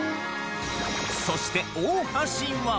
そして、大橋は。